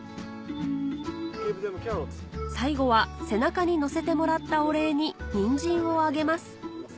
最後は背中に乗せてもらったお礼にニンジンをあげます